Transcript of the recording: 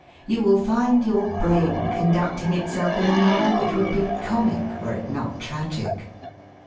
You will find your brain conducting itself in a manner which would be comic were it not tragic.